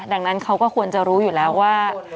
ดังนั้นเขาก็ควรจะรู้อยู่แล้วว่า